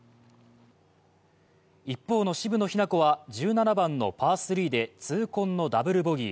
一方の渋野日向子は１７番のパー３で痛恨のダブルボギー。